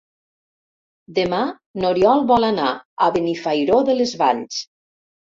Demà n'Oriol vol anar a Benifairó de les Valls.